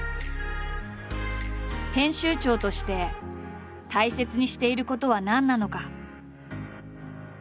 編集長として大切にしていることは何なのか？